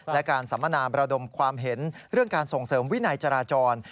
และการสัมมนาบระดมความเห็นเรื่องการส่งเสริมวินัยจราจร